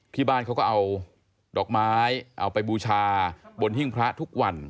ที่บ้านเขาก็เอาดอกไม้เอาไปบูชาบนหิ้งพระทุกวัน